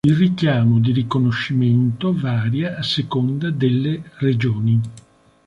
Il richiamo di riconoscimento varia a seconda delle regioni.